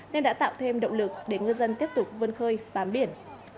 nên đã tạo thêm động lực để ngư dân tiếp tục vân khơi bám biển